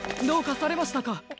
どうかされましたか？